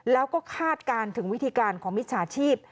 แล้วก็คาดการณ์ถึงวิธีการของมิจฉาชีพ